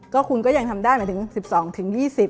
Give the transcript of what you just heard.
ก็คุณก็ยังทำได้หมายถึง๑๒ถึง๒๐